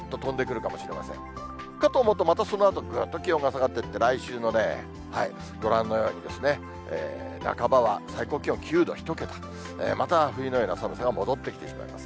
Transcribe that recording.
かと思うと、またそのあとぐっと気温が下がっていって、来週もね、ご覧のように半ばは最高気温９度、１桁と、また冬のような寒さが戻ってきてしまいます。